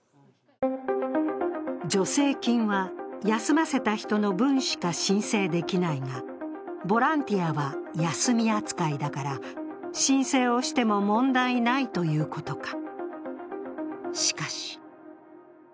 助成金は休ませた人の分しか申請できないが、ボランティアは休み扱いだから申請しても問題ないということか。